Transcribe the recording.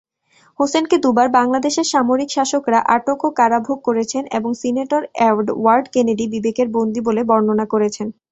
হোসেনকে দু'বার বাংলাদেশের সামরিক শাসকরা আটক ও কারাভোগ করেছেন এবং সিনেটর এডওয়ার্ড কেনেডি 'বিবেকের বন্দী' বলে বর্ণনা করেছেন।